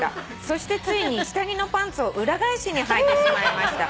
「そしてついに下着のパンツを裏返しにはいてしまいました」